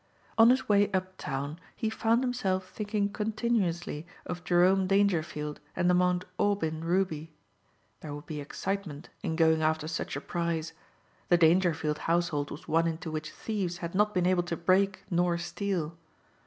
On his way uptown he found himself thinking continuously of Jerome Dangerfield and the Mount Aubyn ruby. There would be excitement in going after such a prize. The Dangerfield household was one into which thieves had not been able to break nor steal.